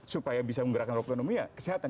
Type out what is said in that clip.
supaya bisa menggerakkan roda ekonomi ya kesehatan